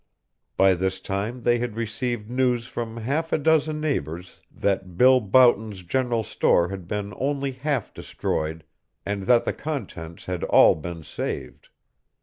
By this time they had received news from half a dozen neighbors that Bill Boughton's general store had been only half destroyed and that the contents had all been saved.